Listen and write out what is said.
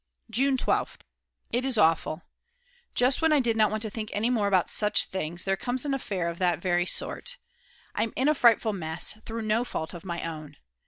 June 12th. It is awful; just when I did not want to think any more about such things, there comes an affair of that very sort! I'm in a frightful mess through no fault of my own.